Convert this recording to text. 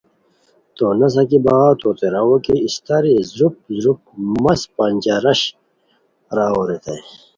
تو نسہ کی بغاؤ توغوتے راوے کی استاری زروپ زروپ مس پنجرش راوے ریتائے